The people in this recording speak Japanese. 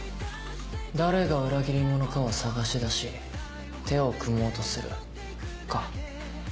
誰が裏切り者かを捜し出し手を組もうとするか？